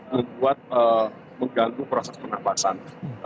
membuat mengganggu proses penampasan